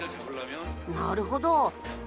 なるほど！